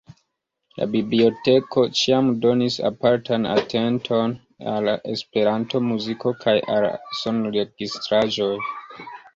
La biblioteko ĉiam donis apartan atenton al la esperanta muziko kaj al sonregistraĵoj.